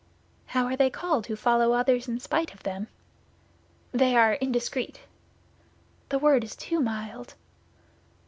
"How are they called who follow others in spite of them?" "They are indiscreet." "The word is too mild."